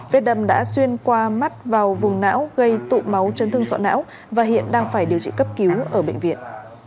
vết đâm đã xuyên qua mắt vào vùng não gây tụ máu chấn thương sọ não và hiện đang phải điều trị cấp cứu ở bệnh viện